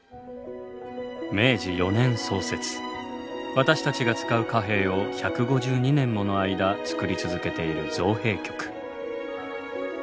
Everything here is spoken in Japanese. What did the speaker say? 私たちが使う貨幣を１５２年もの間造り続けている造幣局。